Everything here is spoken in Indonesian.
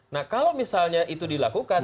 nah kalau misalnya itu dilakukan